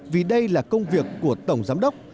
vì đây là công việc của tổng giám đốc